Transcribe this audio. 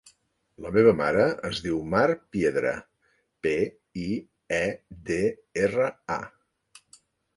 La meva mare es diu Mar Piedra: pe, i, e, de, erra, a.